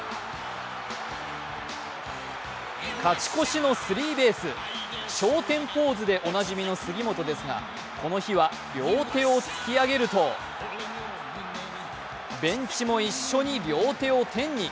勝ち越しのスリーベース昇天ポーズでおなじみの杉本ですが、この日は両手を突き上げるとベンチも一緒に両手を天に。